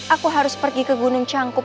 aku harus pergi ke gunung cangkup